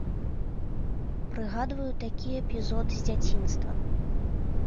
Прыгадваю такі эпізод з дзяцінства.